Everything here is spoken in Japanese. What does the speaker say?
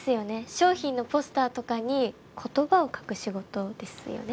商品のポスターとかに言葉を書く仕事ですよね？